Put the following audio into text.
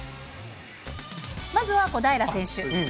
まずは小平選手。